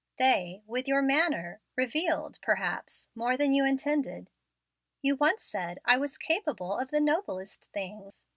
They, with your manner, revealed, perhaps, more than you intended. You once said I was 'capable of the noblest things.'